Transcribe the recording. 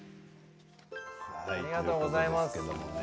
ありがとうございます。